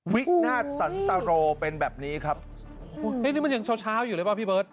วินาทสันตโรเป็นแบบนี้ครับโอ้โหนี่มันยังเช้าเช้าอยู่เลยป่ะพี่เบิร์ต